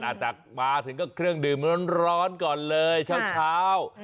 อาจจะมาถึงก็เครื่องดื่มร้อนก่อนเลยเช้า